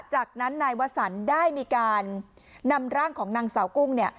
จากนั้นนายวสันได้มีการนำร่างของนางสาวกุ้งเนี่ย